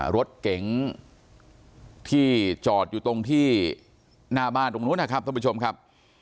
รถเก๋งที่จอดอยู่ตรงที่หน้าบ้านตรงนู้นนะครับท่านผู้ชมครับ